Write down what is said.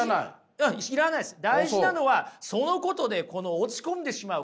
大事なのはそのことで落ち込んでしまう。